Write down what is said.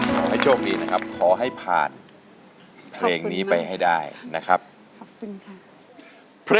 ขอให้โชคดีนะครับขอให้ผ่านเพลงนี้ไปให้ได้นะครับขอบคุณค่ะ